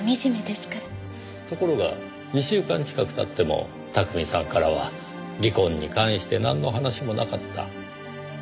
ところが２週間近く経っても巧さんからは離婚に関してなんの話もなかった。